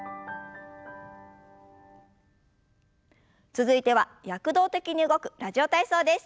続いては躍動的に動く「ラジオ体操」です。